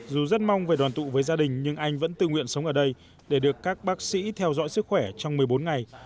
dù rất mong về đoàn tụ với gia đình nhưng anh vẫn tự nguyện sống ở đây để được các bác sĩ theo dõi sức khỏe trong một mươi bốn ngày